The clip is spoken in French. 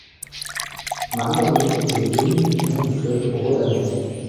Mariano est le Dominicain du club rhodanien.